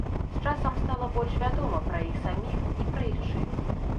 З часам стала больш вядома пра іх саміх і пра іх чын.